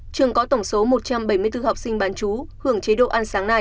trường có tổng số một trăm bảy mươi bốn học sinh bán chú hưởng chế độ ăn sáng này